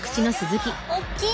おっきい！